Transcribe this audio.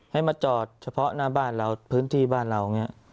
ให้มาจอดเฉพาะหน้าบ้านเราพื้นที่บ้านเราอย่างนี้